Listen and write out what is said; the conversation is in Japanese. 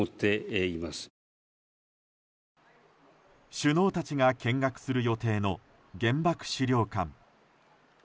首脳たちが見学する予定の原爆資料館。